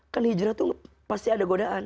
kan hijrah itu pasti ada godaan